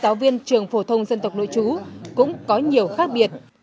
giáo viên trường phổ thông dân tộc nội trú cũng có nhiều khác biệt